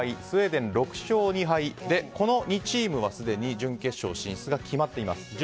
スウェーデン、６勝２敗でこの２チームはすでに準決勝進出が決まっています。